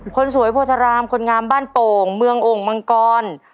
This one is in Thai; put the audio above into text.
คนสวยโพธารามคนงามบ้านโป่งเมืองโอ่งมังกร